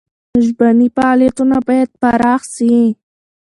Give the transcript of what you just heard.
ژبني فعالیتونه باید پراخ سي.